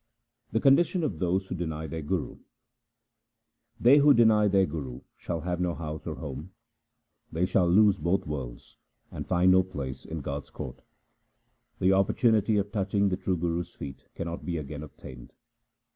The condition of those who deny their Guru :— They who deny their Guru shall have no house or home : They shall lose both worlds, and find no place in God's court. The opportunity of touching the true Guru's feet cannot be again obtained.